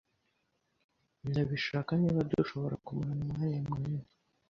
Ndabishaka niba dushobora kumarana umwanya munini.